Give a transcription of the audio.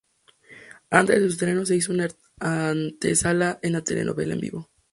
Antes de su estreno se hizo una antesala de la telenovela en vivo.